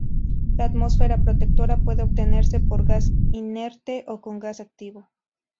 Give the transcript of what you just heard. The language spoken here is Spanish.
La atmósfera protectora puede obtenerse por gas inerte o con gas activo.